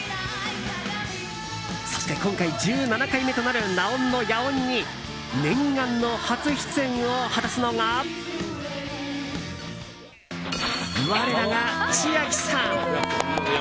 そして、今回１７回目となる「ＮＡＯＮのＹＡＯＮ」に念願の初出演を果たすのが我らが千秋さん。